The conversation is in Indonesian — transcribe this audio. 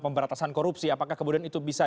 pemberantasan korupsi apakah kemudian itu bisa